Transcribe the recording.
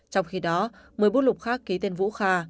trong khi đó một mươi bút lục khác ký tên vũ kha